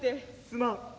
「すまん」。